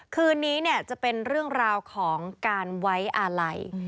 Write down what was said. คืนนี้จะเป็นเรื่องราวของการไว้อาลัย